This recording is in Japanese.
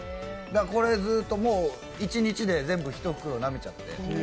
これずっと、一日で全部１袋なめちゃって。